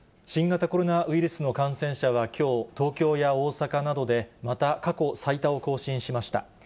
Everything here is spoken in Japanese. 新型コロナウイルスの感染者はきょう、東京や大阪などでまた過去最多を更新しました。